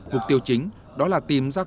mục tiêu chính đó là tìm ra